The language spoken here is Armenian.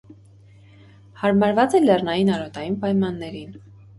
Հարմարված է լեռնային արոտային պայմաններին։